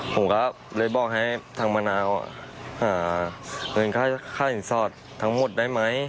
ผมก็เลยบอกให้ทางมะนาวเงินค่าสินสอดทั้งหมดได้ไหม